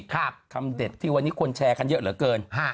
คำเด็ดที่วันนี้คนแชร์กันเยอะเหลือเกิน